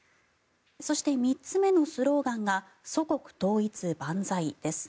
そして３つ目のスローガンは「祖国統一万歳」です。